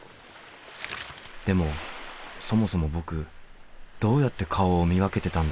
でもそもそも僕どうやって顔を見分けてたんだろう？